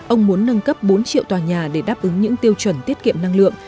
ông muốn nâng cấp bốn triệu tòa nhà để đáp ứng những tiêu chuẩn tiết kiệm năng lượng